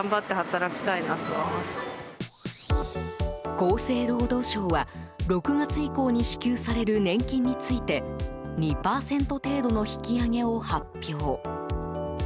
厚生労働省は、６月以降に支給される年金について２％程度の引き上げを発表。